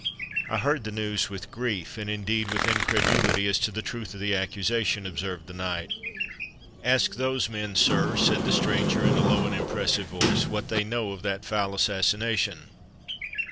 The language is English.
"I heard the news with grief, and indeed with incredulity as to the truth of the accusation," observed the knight. "Ask those men, sir," said the stranger, in a low and impressive voice, "what they know of that foul assassination."